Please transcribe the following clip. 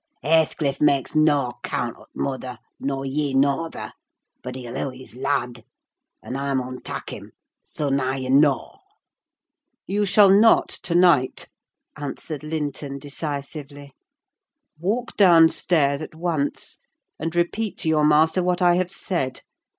Hathecliff maks noa 'count o' t' mother, nor ye norther; but he'll hev his lad; und I mun tak' him—soa now ye knaw!" "You shall not to night!" answered Linton decisively. "Walk down stairs at once, and repeat to your master what I have said.